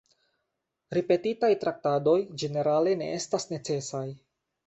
Ripetitaj traktadoj ĝenerale ne estas necesaj.